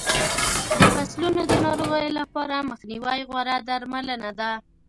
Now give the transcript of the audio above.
د فصلونو د ناروغیو لپاره مخنیوی غوره درملنه ده.